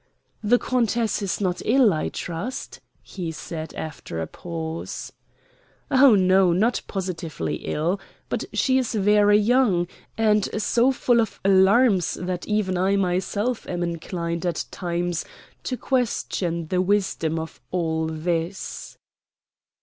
"The Countess is not ill, I trust," he said after a pause. "Oh, no, not positively ill. But she is very young, and so full of alarms that even I myself am inclined at times to question the wisdom of all this."